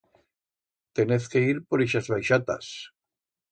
Tenez que ir por ixas baixatas.